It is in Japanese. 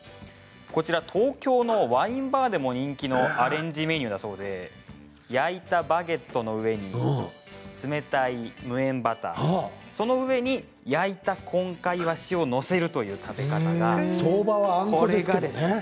東京のワインバーでも人気のアレンジメニューだそうで焼いたバゲットの上に冷たい無塩バター、その上に焼いたこんかいわしを載せるという食べ方があります。